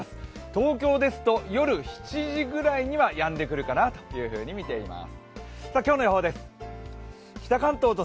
東京ですと夜７時ぐらいにはやんでくるかなとみています。